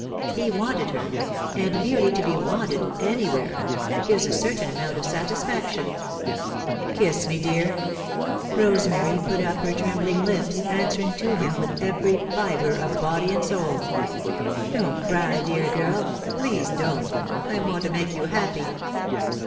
He wanted her, and merely to be wanted, anywhere, gives a certain amount of satisfaction. "Kiss me, dear," Rosemary put up her trembling lips, answering to him with every fibre of body and soul. "Don't cry, dear girl, please don't! I want to make you happy."